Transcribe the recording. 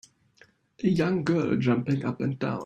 A young girl jumping up and down.